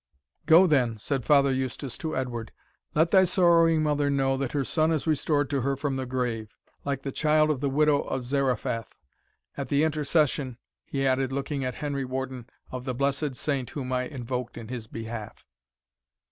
"Go then," said Father Eustace to Edward; "let thy sorrowing mother know that her son is restored to her from the grave, like the child of the widow of Zarephath; at the intercession," he added, looking at Henry Warden, "of the blessed Saint whom I invoked in his behalf."